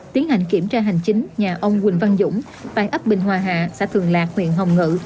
tiến hành kiểm tra hành chính nhà ông quỳnh văn dũng tại ấp bình hòa hạ xã thường lạc huyện hồng ngự